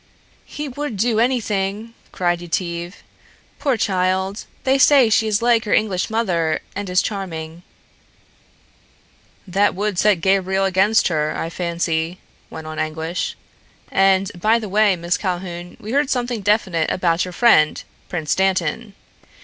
"He would do anything," cried Yetive. "Poor child; they say she is like her English mother and is charming." "That would set Gabriel against her, I fancy," went on Anguish. "And, by the way, Miss Calhoun, we heard something definite about your friend, Prince Dantan.